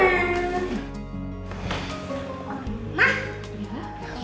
besok kita lari pagi yuk